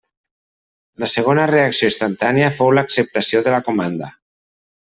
La segona reacció instantània fou l'acceptació de la comanda.